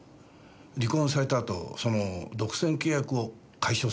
離婚されたあとその独占契約を解消されて。